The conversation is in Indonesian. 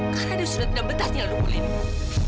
karena dia sudah tidak betah tiang nungguin